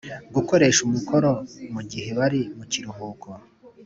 gukoresha umukoro mugihe bari mukiruhuko